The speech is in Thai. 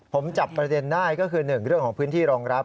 ผมจับประเด็นได้ก็คือ๑เรื่องของพื้นที่รองรับ